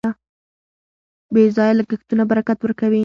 بې ځایه لګښتونه برکت ورکوي.